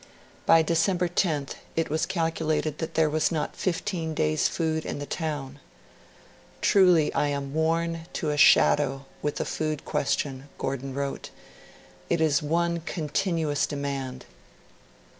By December 10th it was calculated that there was not fifteen days' food in the town; 'truly I am worn to a shadow with the food question', Gordon wrote; 'it is one continuous demand'.